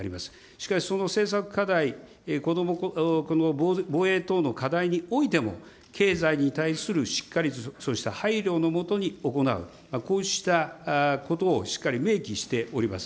しかしその政策課題、この防衛等の課題においても、経済に対するしっかりとした配慮の下に行う、こうしたことをしっかり明記しております。